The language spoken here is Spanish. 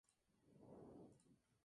Rahul Gandhi se unió a St.